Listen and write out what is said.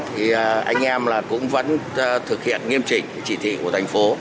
thì anh em là cũng vẫn thực hiện nghiêm chỉnh chỉ thị của thành phố